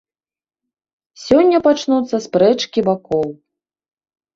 Сёння пачнуцца спрэчкі бакоў.